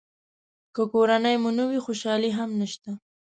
که کورنۍ مو نه وي خوشالي هم نشته.